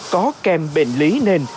có kèm bệnh lý nền